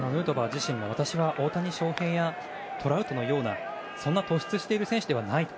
自身も私は大谷翔平やトラウトのようなそんな突出している選手ではないと。